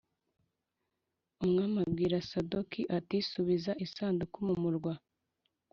Umwami abwira Sadoki ati “Subiza isanduku mu murwa.